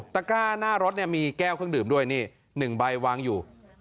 ตะกร้าหน้ารถเนี่ยมีแก้วเครื่องดื่มด้วยนี่๑ใบวางอยู่